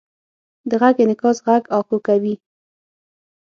د غږ انعکاس غږ اکو کوي.